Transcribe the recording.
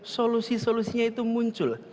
solusi solusinya itu muncul